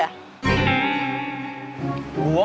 gak ada apa apa